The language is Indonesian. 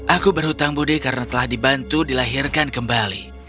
aku berhutang budi karena telah dibantu dilahirkan kembali